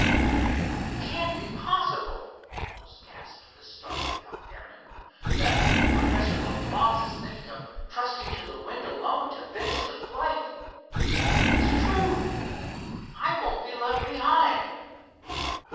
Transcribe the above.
"It can't be possible," almost gasped the startled young airman, "that Professor Leblance is thinking of trusting to the wind alone to finish the flight. It's true! I won't be left behind!"